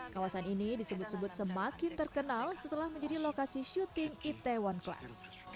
kawasan ini disebut sebut semakin terkenal setelah menjadi lokasi syuting itaewon class